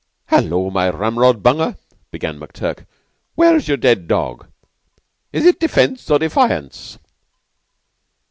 "Hullo, my ramrod bunger!" began McTurk. "Where's your dead dog? Is it Defence or Defiance?"